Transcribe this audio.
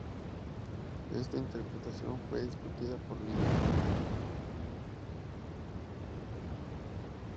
Esta interpretación fue discutida por Linde.